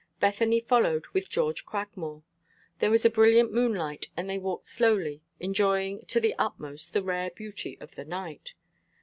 Bethany followed with George Cragmore. There was a brilliant moonlight, and they walked slowly, enjoying to the utmost the rare beauty of the night.